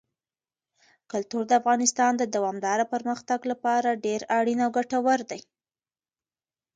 کلتور د افغانستان د دوامداره پرمختګ لپاره ډېر اړین او ګټور دی.